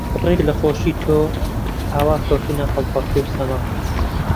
ڕێک لە خۆشی تۆ ئەوا کەوتوونە هەڵپەڕکێ و سەما